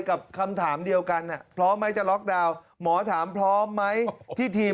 คำถามเดียวกันพร้อมไหมจะล็อกดาวน์หมอถามพร้อมไหมที่ทีม